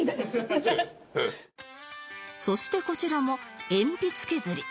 そしてこちらも鉛筆削り